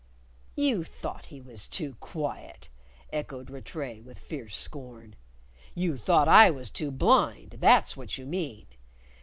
"You thought he was too quiet!" echoed Rattray with fierce scorn. "You thought I was too blind that's what you mean.